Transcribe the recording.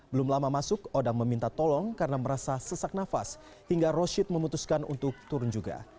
belum lama masuk odang meminta tolong karena merasa sesak nafas hingga roshid memutuskan untuk turun juga